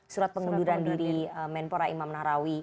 surat pengunduran diri menpora imam nahrawi